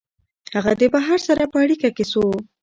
هغه د بهر سره په اړیکه کي سو